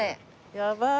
やばい。